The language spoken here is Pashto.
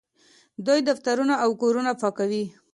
دوی دفترونه او کورونه پاکوي.